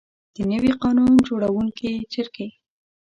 د نوي قانون جوړوونکي جرګې.